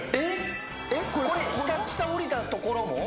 これ下おりたところも？